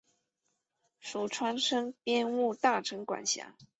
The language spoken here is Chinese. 属川滇边务大臣管辖。